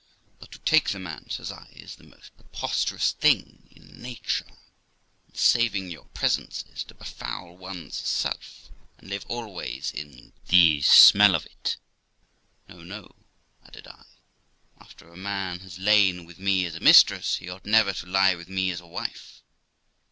'But to take the man', says I, 'is the most pre posterous thing in nature, and (saving your presence) is to befoul one's self, and live always in the smell of it. No, no* added I; 'after a man has lain with me as a mistress, he ought never to lie with me as a wife.